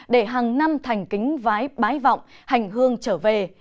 để hàng năm thành kính vái bái vọng hành hương trở về